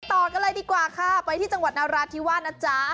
ต่อกันเลยดีกว่าค่ะไปที่จังหวัดนราธิวาสนะจ๊ะ